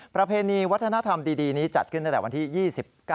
ประเพณีวัฒนธรรมดีนี้จัดขึ้นตั้งแต่วันที่๒๙